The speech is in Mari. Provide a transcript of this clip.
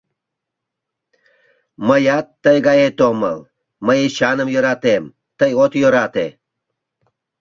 Мыят тый гает омыл: мый Эчаным йӧратем, тый от йӧрате.